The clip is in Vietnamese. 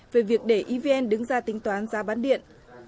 về việc để evn đứng ra tính toán giá bán điện